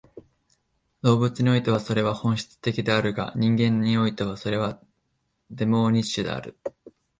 動物においてはそれは本能的であるが、人間においてはそれはデモーニッシュである。